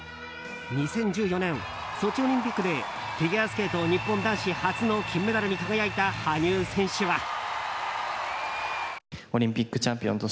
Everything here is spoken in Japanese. ２０１４年、ソチオリンピックでフィギュアスケート日本男子初の金メダルに輝いた羽生選手は。